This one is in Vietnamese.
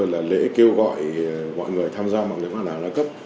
lễ kêu gọi mọi người tham gia bán hàng đa cấp